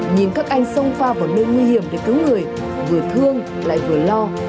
nhìn các anh xông pha vào nơi nguy hiểm để cứu người vừa thương lại vừa lo